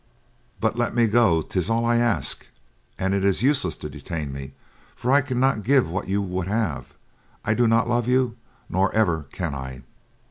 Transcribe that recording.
But let me go, 'tis all I ask, and it is useless to detain me for I cannot give what you would have. I do not love you, nor ever can I."